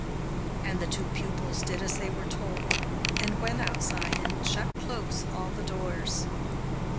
And the two pupils did as they were told, and went outside and shut close all the doors.